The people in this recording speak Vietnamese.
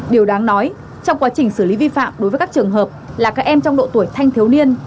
điều đáng nói trong quá trình xử lý vi phạm đối với các trường hợp là các em trong độ tuổi thanh thiếu niên